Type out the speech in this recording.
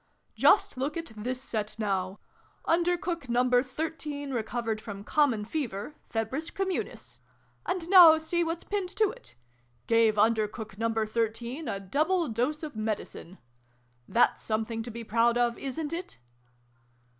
"Just look at this set, now. ' Under Cook Number Thirteen recovered from Common Fever Fe bris Communist And now see what's pinned to it. ' Gave Under Cook Number Thirteen a Double Dose of Medicine' That ' s something to be proud of, isnt it